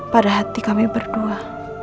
pada hati kami berdua